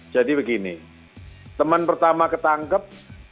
begini teman pertama ketangkep